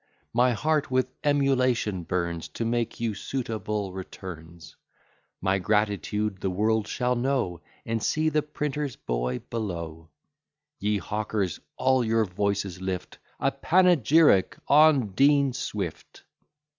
My heart with emulation burns, To make you suitable returns; My gratitude the world shall know; And see, the printer's boy below; Ye hawkers all, your voices lift; "A Panegyric on Dean Swift!"